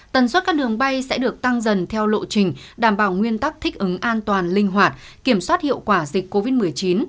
tần suất các đường bay sẽ được tăng dần theo lộ trình đảm bảo nguyên tắc thích ứng an toàn linh hoạt kiểm soát hiệu quả dịch covid một mươi chín